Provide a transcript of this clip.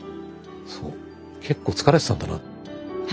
そう結構疲れてたんだな。